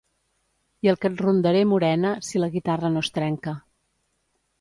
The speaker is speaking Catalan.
I el que et rondaré morena, si la guitarra no es trenca.